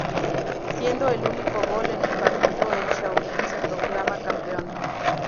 Siendo el único gol en el partido el Shaolin se proclama campeón.